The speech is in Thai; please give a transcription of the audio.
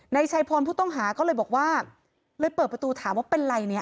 นายชัยพรผู้ต้องหาก็เลยบอกว่าเลยเปิดประตูถามว่าเป็นไรเนี่ย